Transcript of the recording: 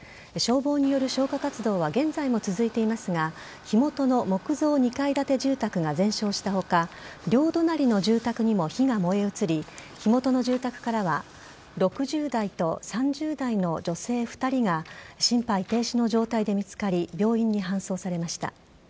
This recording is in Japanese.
消防による消火活動は現在も続いていますが火元の木造２階建て住宅が全焼した他両隣の住宅にも火が燃え移り火元の住宅からは６０代と３０代の女性２人が心肺停止の状態で見つかり病院に搬送されました。